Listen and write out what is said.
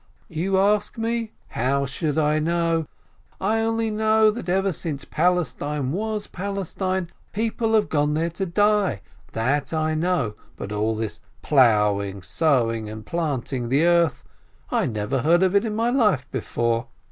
"You ask me? How should I know? I only know that ever since Palestine was Palestine, people have gone there to die — that I know; but all this ploughing, sowing, and planting the earth, I never heard of in my life before."